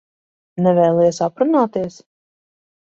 Nevēlies aprunāties?